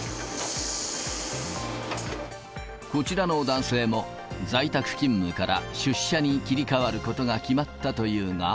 こちらの男性も、在宅勤務から出社に切り替わることが決まったというが。